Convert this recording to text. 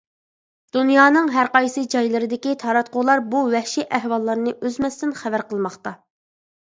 دۇنيانىڭ ھەرقايسى جايلىرىدىكى تاراتقۇلار بۇ ۋەھشىي ئەھۋاللارنى ئۈزمەستىن خەۋەر قىلماقتا.